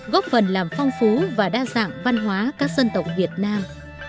góp phần làm phong phú và đa dạng văn hóa các dân tộc việt nam